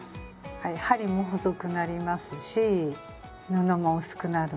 はい針も細くなりますし布も薄くなるので。